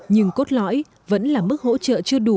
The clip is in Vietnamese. nhưng cốt lõi vẫn là mức hỗ trợ chưa đủ